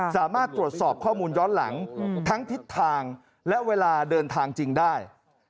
สามารถตรวจสอบข้อมูลย้อนหลังทั้งทิศทางและเวลาเดินทางจริงได้